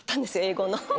英語の。